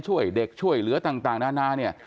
ช่วยเด็กช่วยเหลือต่างนานาเนี่ย